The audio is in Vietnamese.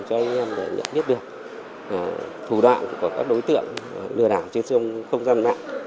cho anh em để nhận biết được thủ đoạn của các đối tượng lừa đảo trên không gian mạng